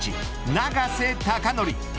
永瀬貴規。